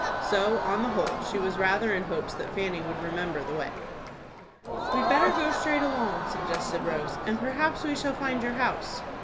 So, on the whole, she was rather in hopes that Fanny would remember the way. "We'd better go straight along," suggested Rose, "and perhaps we shall find your house."